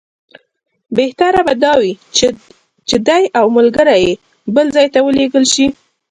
بهتره به دا وي چې دی او ملګري یې بل ځای ته ولېږل شي.